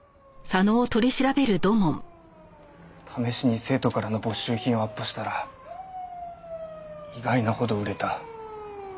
試しに生徒からの没収品をアップしたら意外なほど売れた。